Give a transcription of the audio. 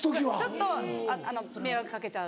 ちょっと迷惑かけちゃう。